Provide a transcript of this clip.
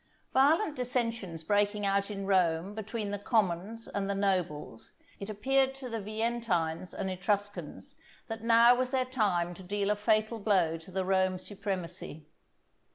_ Violent dissensions breaking out in Rome between the commons and the nobles, it appeared to the Veientines and Etruscans that now was their time to deal a fatal blow to the Roman supremacy.